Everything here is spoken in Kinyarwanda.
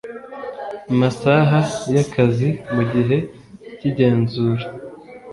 masaha y akazi mu gihe cy igenzura